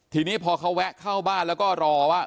ทีนี้พอเขาแวะเข้าบ้านแล้วก็รอว่า